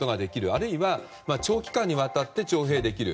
あるいは長期間にわたって徴兵できる。